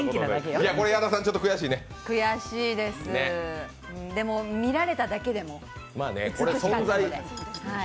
悔しいです、でも見られただけでも美しかったです。